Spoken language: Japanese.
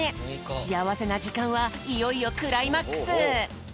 しあわせなじかんはいよいよクライマックス！